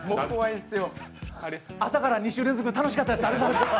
朝から２週連続楽しかったです。